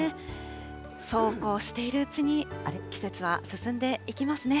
そうこうしているうちに、季節は進んでいきますね。